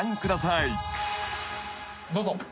どうぞ。